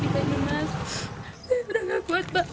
saya sudah tidak kuat pak